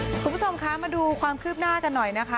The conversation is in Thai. คุณผู้ชมคะมาดูความคืบหน้ากันหน่อยนะคะ